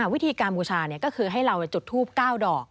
วิธีการบูชาก็คือให้เราจุดทูป๙ดอก